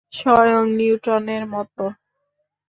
স্বয়ং নিউটনের মতো।